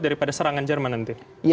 daripada serangan jerman nanti